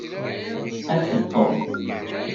Afet-d Tom.